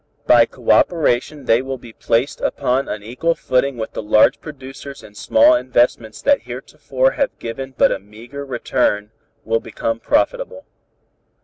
By cooperation they will be placed upon an equal footing with the large producers and small investments that heretofore have given but a meager return will become profitable.